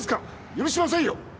許しませんよ！